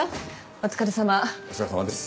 お疲れさまです。